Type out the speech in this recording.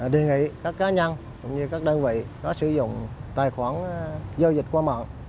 đề nghị các cá nhân cũng như các đơn vị có sử dụng tài khoản giao dịch qua mạng